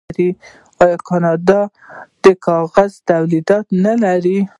آیا کاناډا د کاغذ تولیدات نلري؟